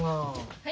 はい。